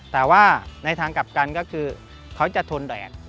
แต่ว่าในทางกลับกันก็คือเขาจะทนแดด